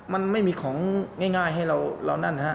มันไม่มีของง่ายให้เรานั่นฮะ